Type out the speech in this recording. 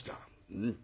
うん。